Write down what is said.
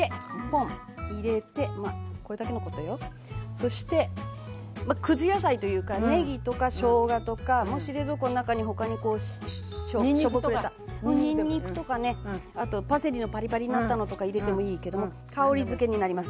そしてまあくず野菜というかねぎとかしょうがとかもし冷蔵庫の中に他にこうしょぼくれたにんにくとかねあとパセリのパリパリになったのとか入れてもいいけども香りづけになります。